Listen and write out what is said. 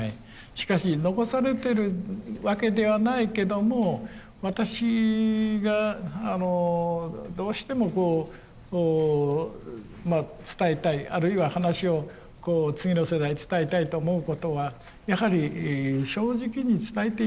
しかし残されてるわけではないけども私がどうしてもこう伝えたいあるいは話を次の世代に伝えたいと思うことはやはり正直に伝えていこう。